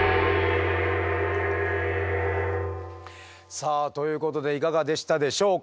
さあということでいかがでしたでしょうか？